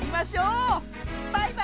バイバーイ！